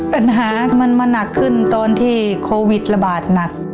ปัญหามันมาหนักขึ้นตอนที่โควิดระบาดหนัก